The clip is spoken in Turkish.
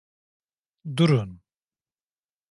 Durun.